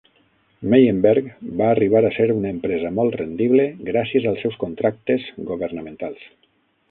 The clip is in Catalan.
Meyenberg va arribar a ser una empresa molt rendible gràcies als seus contractes governamentals.